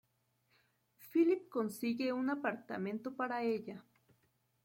Philip consigue un apartamento para ella.